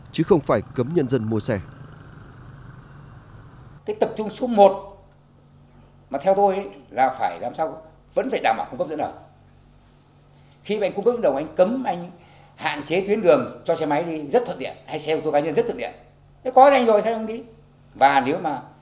chứ không phải cấm nhân dân mua xe